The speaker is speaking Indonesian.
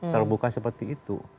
terbuka seperti itu